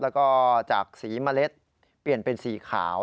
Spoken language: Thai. แล้วก็จากสีเมล็ดเปลี่ยนเป็นสีขาว